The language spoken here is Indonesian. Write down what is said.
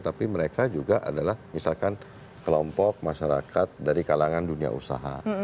tapi mereka juga adalah misalkan kelompok masyarakat dari kalangan dunia usaha